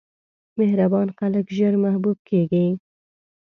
مهربان خلک ژر محبوب کېږي.